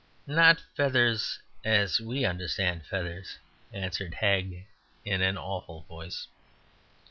"Not feathers, as we understand feathers," answered Hagg in an awful voice.